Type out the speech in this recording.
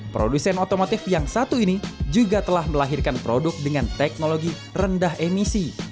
produsen otomotif yang satu ini juga telah melahirkan produk dengan teknologi rendah emisi